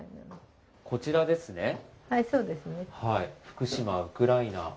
こちらですね？